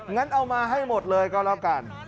งั้นเอามาให้หมดเลยก็แล้วกัน